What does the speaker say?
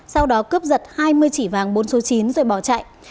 sau đó cướp giật hai mươi chỉ vàng bốn số chín rồi bỏ chạy